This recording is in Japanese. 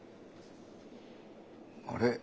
「あれ？